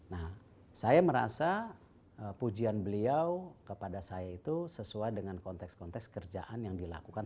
nah saya merasa pujian beliau kepada saya itu sesuai dengan konteks konteks kerjaan yang dilakukan